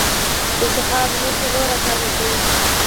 د سهار لمونځ څلور رکعته دی.